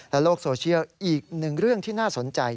โลกโซเชียลอีกหนึ่งเรื่องที่น่าสนใจ